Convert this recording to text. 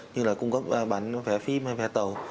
như là cung cấp bán vé phim hay vé tàu